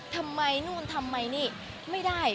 ทำไมนู่นทำไมนี่ไม่ได้